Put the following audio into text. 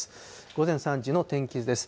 午前３時の天気図です。